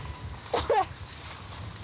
これ。